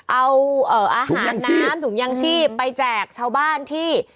เอาอาหารน้ำถุงยางชีพไปแจกชาวบ้านที่